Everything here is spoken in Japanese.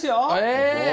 え！